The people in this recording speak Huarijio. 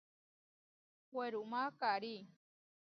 Werumá karí.